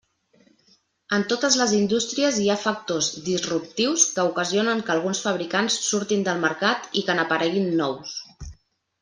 En totes les indústries hi ha factors disruptius que ocasionen que alguns fabricants surtin del mercat i que n'apareguin nous.